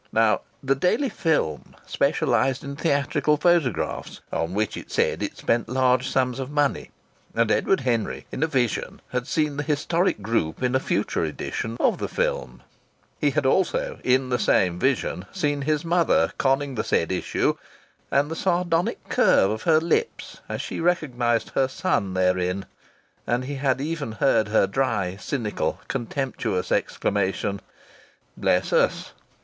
Now The Daily Film specialized in theatrical photographs, on which it said it spent large sums of money: and Edward Henry in a vision had seen the historic group in a future issue of the Film. He had also, in the same vision, seen his mother conning the said issue, and the sardonic curve of her lips as she recognized her son therein, and he had even heard her dry, cynical, contemptuous exclamation: "Bless us!"